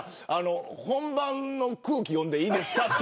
本番の空気読んでいいですかと。